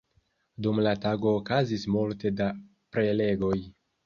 Dum la tago okazis multe da prelegoj.